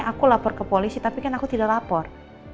aku lapor ke polisi tapi kan aku tidak lapor